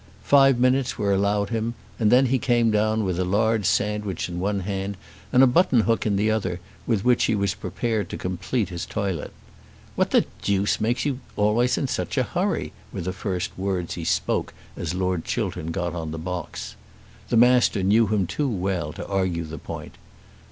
Five minutes were allowed him, and then he came down with a large sandwich in one hand and a button hook in the other, with which he was prepared to complete his toilet. "What the deuce makes you always in such a hurry?" were the first words he spoke as Lord Chiltern got on the box. The Master knew him too well to argue the point.